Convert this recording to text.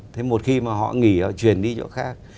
thế một khi mà họ nghỉ họ chuyển đi chỗ khác